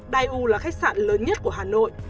daewoo là khách sạn lớn nhất của hà nội